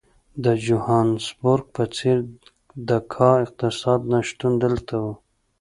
د جوهانسبورګ په څېر د کا اقتصاد نه شتون دلته وو.